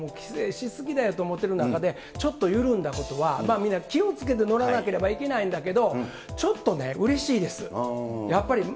僕みたいな昭和生まれは、規制し過ぎだよと思ってる中で、ちょっと緩んだことは、みんな気をつけて乗らなければいけないんだけど、ちょっとね、うれしいです。